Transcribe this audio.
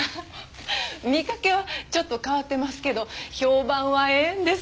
見かけはちょっと変わってますけど評判はええんです。